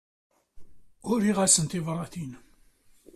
Uriɣ-asen tibratin.